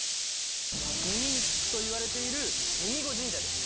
耳に効くといわれている耳明神社です。